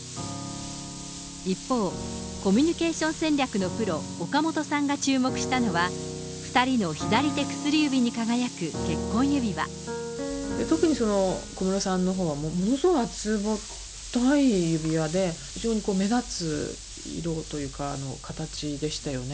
一方、コミュニケーション戦略のプロ、岡本さんが注目したのは、特に、小室さんのほうは、ものすごく厚ぼったい指輪で、非常に目立つ色というか、形でしたよね。